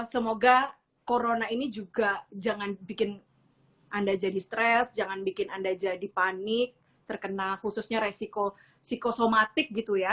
semoga corona ini juga jangan bikin anda jadi stres jangan bikin anda jadi panik terkena khususnya resiko psikosomatik gitu ya